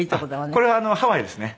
これハワイですね。